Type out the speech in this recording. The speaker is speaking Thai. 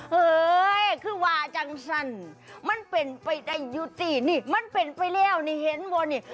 เฮ้ยคือวาจังสั้นมันเป็นไปได้อยู่สินี่มันเป็นไปแล้วนี่เห็นวนนี่